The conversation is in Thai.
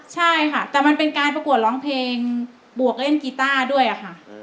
ใช่ค่ะแต่มันเป็นการประกวดร้องเพลงบวกเล่นกีต้าด้วยค่ะ